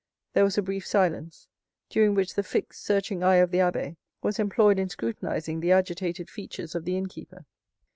There was a brief silence, during which the fixed, searching eye of the abbé was employed in scrutinizing the agitated features of the innkeeper.